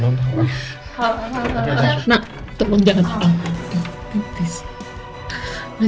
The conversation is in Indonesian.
nak tolong jangan